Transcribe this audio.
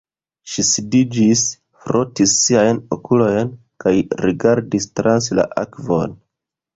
Ŝi sidiĝis, frotis siajn okulojn kaj rigardis trans la akvon.